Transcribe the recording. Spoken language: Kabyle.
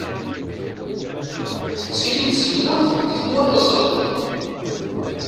Tettili tzemmurt deg tmura izeɣlen.